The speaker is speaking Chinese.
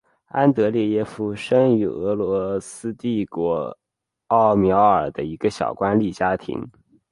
安德列耶夫生于俄罗斯帝国奥廖尔的一个小官吏家庭。